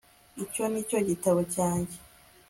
icyo ni igitabo cyanjye